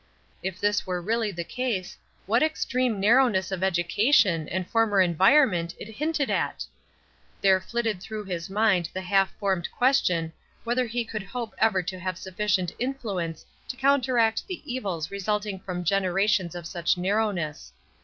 If this were really the case, what extreme narrowness of education and former environment it hinted at! There flitted through his mind the half formed ques tion whether he could hope ever to have suffi cient influence to counteract the evils resulting from generations of such narrowness.